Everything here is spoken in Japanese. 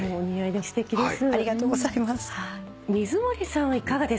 すてきですね。